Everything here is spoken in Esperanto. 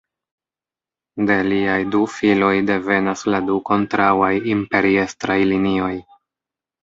De liaj du filoj devenas la du kontraŭaj imperiestraj linioj.